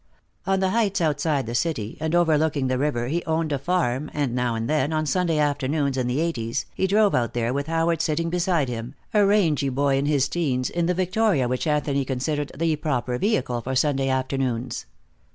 On the heights outside the city and overlooking the river he owned a farm, and now and then, on Sunday afternoons in the eighties, he drove out there, with Howard sitting beside him, a rangy boy in his teens, in the victoria which Anthony considered the proper vehicle for Sunday afternoons.